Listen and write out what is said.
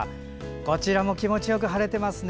こちらも気持ちよく晴れていますね。